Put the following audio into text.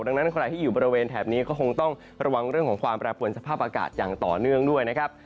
ดังนั้นใครที่อยู่บริเวณแถบนี้ก็คงต้องระวังเรื่องของความแปรปวนสภาพอากาศอย่างต่อเนื่องด้วยนะครับ